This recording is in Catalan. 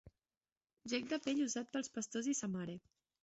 Gec de pell usat pels pastors i sa mare.